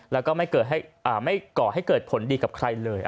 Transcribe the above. แล้วก็ไม่ก่อให้เกิดผลดีกับใครเลย